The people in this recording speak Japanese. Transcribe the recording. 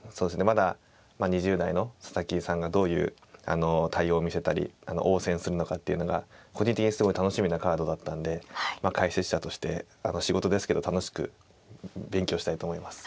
まだ２０代の佐々木さんがどういう対応を見せたり応戦するのかっていうのが個人的にすごい楽しみなカードだったんで解説者として仕事ですけど楽しく勉強したいと思います。